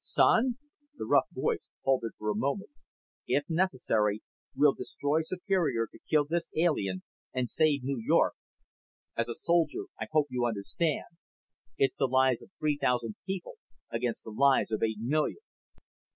Son ..." The rough voice faltered for a moment. "If necessary, we'll destroy Superior to kill this alien and save New York. As a soldier, I hope you understand. It's the lives of three thousand people against the lives of eight million."